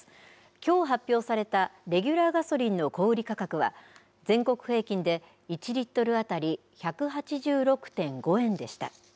きょう発表されたレギュラーガソリンの小売り価格は、全国平均で１リットル当たり１８６．５円でした。